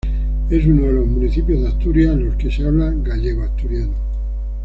Es uno de los municipios de Asturias en los que se habla gallego-asturiano.